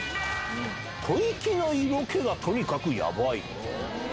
吐息の色気がとにかくやばい。